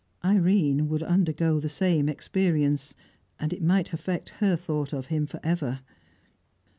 Irene would undergo the same experience, and it might affect her thought of him for ever.